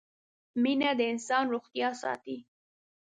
مينه د انسان روغتيا ساتي